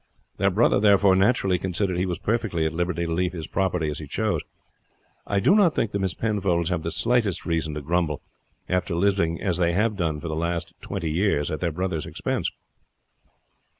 Their brother, therefore, naturally considered he was perfectly at liberty to leave his property as he chose. I do not think the Miss Penfolds have the slightest reason to grumble, after living as they have done for the last twenty years at their brother's expense."